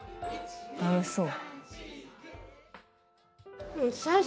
楽しそう。